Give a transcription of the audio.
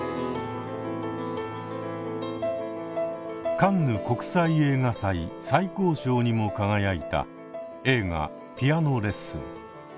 カンヌ国際映画祭最高賞にも輝いた映画「ピアノ・レッスン」。